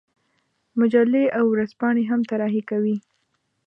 مجلې او ورځپاڼې هم طراحي کوي.